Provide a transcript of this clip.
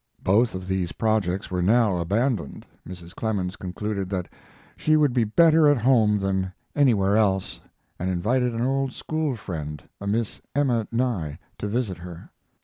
Both of these projects were now abandoned. Mrs. Clemens concluded that she would be better at home than anywhere else, and invited an old school friend, a Miss Emma Nye, to visit her.